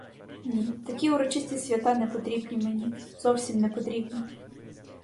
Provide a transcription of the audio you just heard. Ні, такі урочисті свята не потрібні мені, зовсім не потрібні!